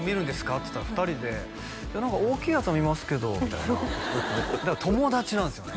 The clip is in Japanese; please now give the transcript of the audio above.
っつったら２人で大きいやつは見ますけどみたいなだから友達なんですよね